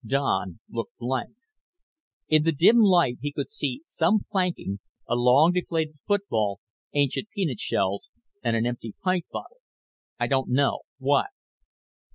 Don looked blank. In the dim light he could see some planking, a long deflated football, ancient peanut shells and an empty pint bottle. "I don't know. What?"